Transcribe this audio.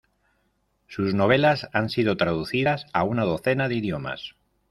Sus novelas han sido traducidas a una docena de idiomas.